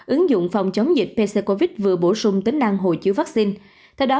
ứng dụng phòng chống dịch pccovid vừa bổ sung tính năng hộ chiếu vắc xin theo đó